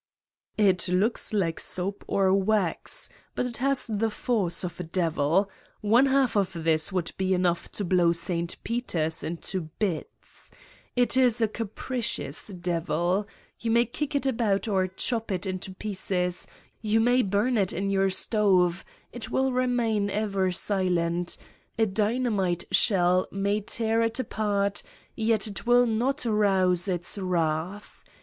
'* It looks like soap or wax. But it has the force of a devil. One half of this would be enough to blow St. Peter's into bits. It is a capricious 172 Satan's Diary Devil. You may kick it about or chop it into pieces, you may burn it in your stove, it will re main ever silent: a dynamite shell may tear it apart yet it will not rouse its wrath.